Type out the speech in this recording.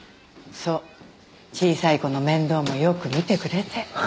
そう小さい子の面倒もよく見てくれて。